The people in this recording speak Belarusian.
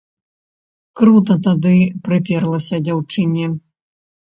Крута тады прыперлася дзяўчыне.